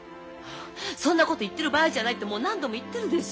そんなこと言ってる場合じゃないってもう何度も言ってるでしょ。